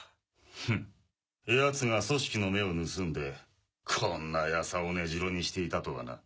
フン奴が組織の目を盗んでこんなヤサを根城にしていたとはな。